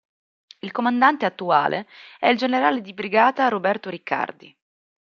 Il comandante attuale è il Generale di Brigata Roberto Riccardi.